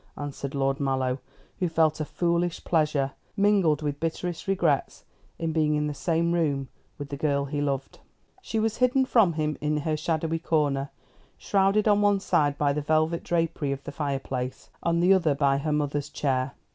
answered Lord Mallow, who felt a foolish pleasure mingled with bitterest regrets in being in the same room with the girl he loved. She was hidden from him in her shadowy corner; shrouded on one side by the velvet drapery of the fireplace, on the other by her mother's chair.